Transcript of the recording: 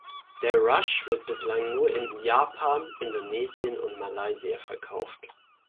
Der Rush wird bislang nur in Japan, Indonesien und Malaysia verkauft.